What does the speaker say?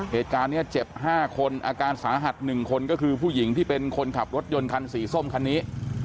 เหตุการณ์นี้เจ็บ๕คนอาการสาหัส๑คนก็คือผู้หญิงที่เป็นคนขับรถยนต์คันสีส้มคันนี้